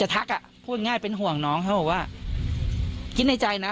ทักอ่ะพูดง่ายเป็นห่วงน้องเขาบอกว่าคิดในใจนะ